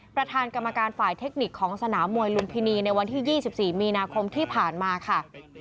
ประธานกรรมการฝ่ายเทคนิคของสนามมวยลุมพินีในวันที่๒๔มีนาคมที่ผ่านมาค่ะ